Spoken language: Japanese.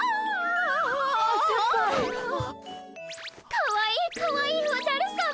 かわいいかわいいおじゃるさま。